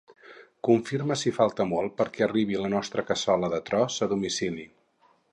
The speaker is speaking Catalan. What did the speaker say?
Confirma si falta molt perquè arribi la nostra cassola de tros a domicili.